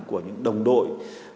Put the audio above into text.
của những đồng đội